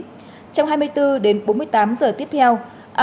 áp thấp nhiệt đới di chuyển chủ yếu theo hướng tây